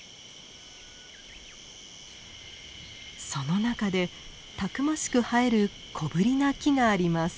その中でたくましく生える小ぶりな木があります。